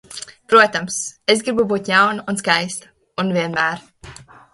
Protams, es gribu būt jauna un skaista, un vienmēr.